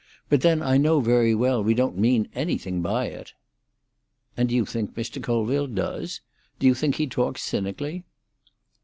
But then I know very well we don't mean anything by it." "And do you think Mr. Colville does? Do you think he talks cynically?"